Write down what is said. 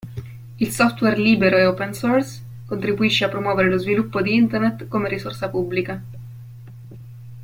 Il software libero e open source contribuisce a promuovere lo sviluppo di Internet come risorsa pubblica.